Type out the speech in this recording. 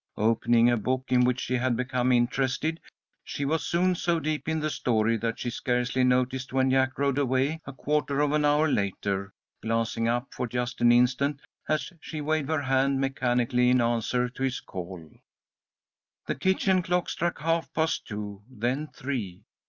Opening a book, in which she had become interested, she was soon so deep in the story that she scarcely noticed when Jack rode away, a quarter of an hour later, glancing up for just an instant as she waved her hand mechanically in answer to his call. The kitchen clock struck half past two, then three.